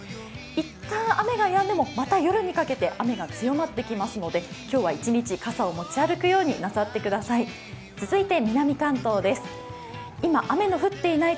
一旦雨がやんでも、また夜にかけて雨が強まってきますので今日は１日傘を持ち歩くようになさってください。